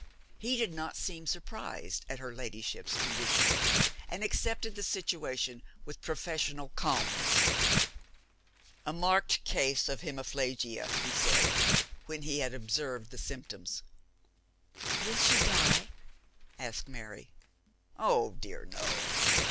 He did not seem surprised at her ladyship's condition, and accepted the situation with professional calmness. 'A marked case of hemiplegia,' he said, when he had observed the symptoms. 'Will she die?' asked Mary. 'Oh, dear, no!